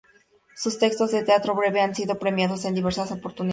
Sus textos de teatro breve han sido premiados en diversas oportunidades.